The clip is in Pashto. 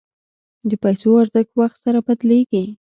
د پیسو ارزښت وخت سره بدلېږي.